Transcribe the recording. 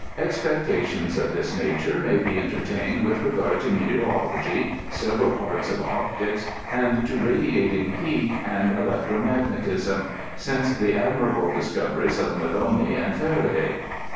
Expectations of this nature may be entertained with regard. to meteorology, several parts of optics, and to radiating heat, and electro magnetism, since the admirable discoveries of Melloni and Faraday.